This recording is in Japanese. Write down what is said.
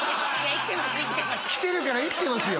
生きてます来てるから生きてますよ